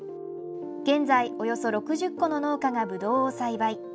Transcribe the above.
現在、およそ６０戸の農家がぶどうを栽培。